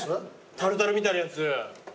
タルタルみたいなやつ。